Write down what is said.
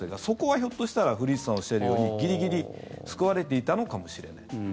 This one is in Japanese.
そこはひょっとしたら古市さんがおっしゃるようにギリギリ救われていたのかもしれない。